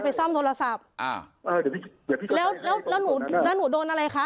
ไปซ่อมโทรศัพท์อ่าแล้วแล้วแล้วหนูแล้วหนูโดนอะไรคะ